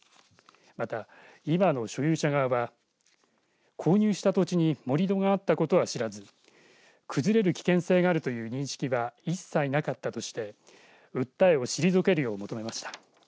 また、今の所有者側は購入した土地に盛り土があったことは知らず崩れる危険性があるという認識は一切なかったとして訴えを退けるよう求めました。